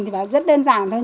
thì rất đơn giản thôi